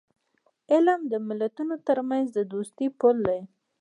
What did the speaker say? علم د ملتونو ترمنځ د دوستی پل دی.